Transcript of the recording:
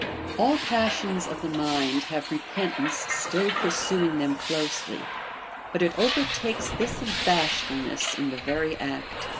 All passions of the mind have repentance still pur suing them closely, but it overtakes this of bashfulness in the very act.